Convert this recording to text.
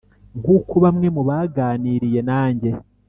nkuko bamwe mu baganiriye nange